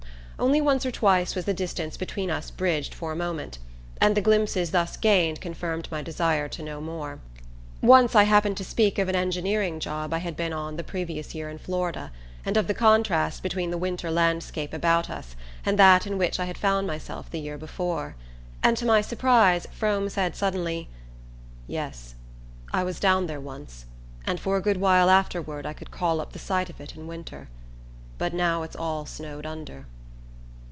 Only once or twice was the distance between us bridged for a moment; and the glimpses thus gained confirmed my desire to know more. Once I happened to speak of an engineering job I had been on the previous year in Florida, and of the contrast between the winter landscape about us and that in which I had found myself the year before; and to my surprise Frome said suddenly: "Yes: I was down there once, and for a good while afterward I could call up the sight of it in winter. But now it's all snowed under."